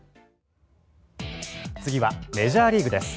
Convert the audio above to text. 次はメジャーリーグです。